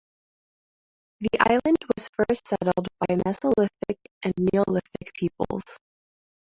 The island was first settled by Mesolithic and Neolithic peoples.